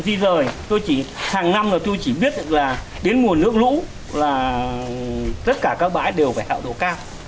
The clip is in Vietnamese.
di rời tôi chỉ hàng năm là tôi chỉ biết được là đến mùa nước lũ là tất cả các bãi đều phải hạo độ cao